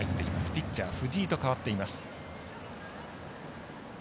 ピッチャー藤井と代わっています。